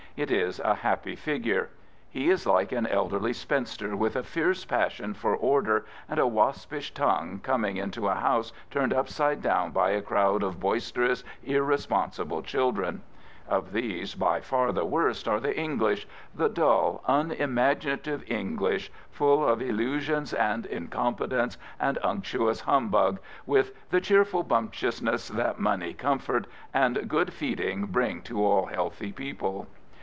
'* It is a happy figure. He is like an elderly spinster, with a fierce passion for order and a waspish tongue, coming into a house turned upside down by a crowd of boisterous, irre sponsible children. Of these, by far the worst are the English — the dull, unimaginative English, full of illusions and incompetence and unctuous humbu£^ with " the cheerful bumptiousnes^lEaFinbney, com fort, and good feeding 'Kihg' tb all healthy people."